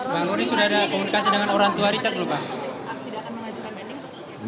bang lodi sudah ada komunikasi dengan orang tua richard lupa